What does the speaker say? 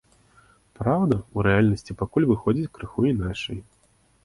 Праўда, у рэальнасці пакуль выходзіць крыху іначай.